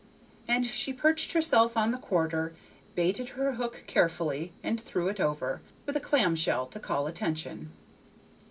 And she perched herself on the quarter, baited her hook carefully, and threw it over, with a clam shell to call attention.